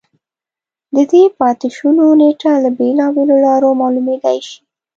د دې پاتې شونو نېټه له بېلابېلو لارو معلومېدای شي